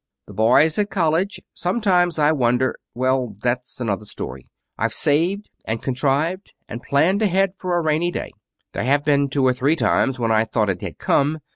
The boy's at college. Sometimes I wonder well, that's another story. I've saved, and contrived, and planned ahead for a rainy day. There have been two or three times when I thought it had come.